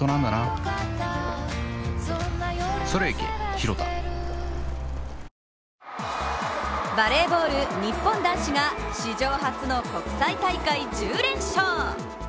ひろうって偉大だなバレーボール日本男子が史上初の国際大会１０連勝。